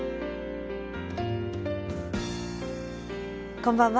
こんばんは。